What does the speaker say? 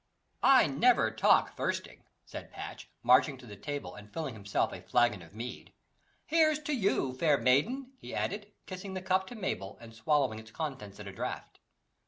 "I never talk thirsting," said Patch, marching to the table, and filling himself a flagon of mead. "Here's to you, fair maiden," he added, kissing the cup to Mabel, and swallowing its contents at a draught.